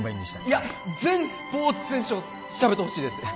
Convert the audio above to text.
いや全スポーツ選手を調べてほしいです